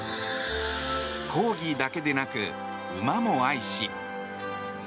コーギーだけでなく馬も愛し。